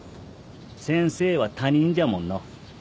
先生は他人じゃもんの。